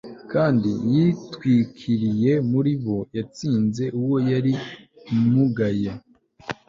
Kandi yitwikiriye muri bo yatsinze uwo yari kumugaye